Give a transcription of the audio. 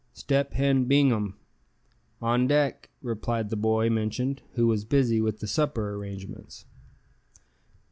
"Step Hen Bingham." "On deck," replied the boy mentioned, who was busy with the supper arrangements.